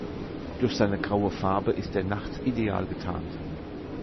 Durch seine graue Farbe ist er nachts ideal getarnt.